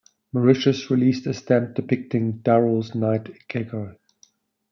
Mauritius released a stamp depicting Durrell's night gecko.